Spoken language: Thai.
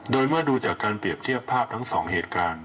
โดยเมื่อดูจากการเปรียบเทียบภาพทั้งสองเหตุการณ์